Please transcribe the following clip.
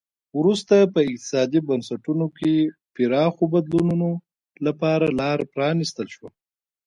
وروسته په اقتصادي بنسټونو کې پراخو بدلونونو لپاره لار پرانیستل شوه.